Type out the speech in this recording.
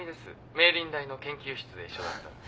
明倫大の研究室で一緒だった。